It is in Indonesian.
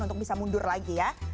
untuk bisa mundur lagi ya